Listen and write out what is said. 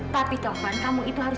tapi toh kan kamu itu harus